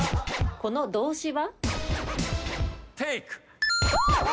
この動詞は？